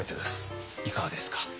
いかがですか？